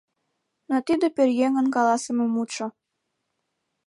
Но тиде пӧръеҥын каласыме мутшо